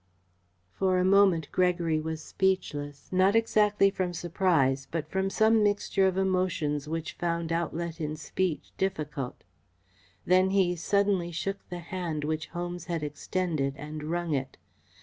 For a moment Gregory was speechless not exactly from surprise but from some mixture of emotions which found outlet in speech difficult. Then he suddenly took the hand which Holmes had extended and wrung it.